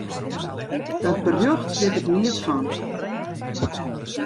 Dat berjocht wit ik neat fan.